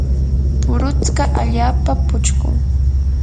puruksa allaapa puchqun.